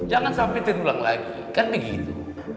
jangan sampai terulang lagi kan begitu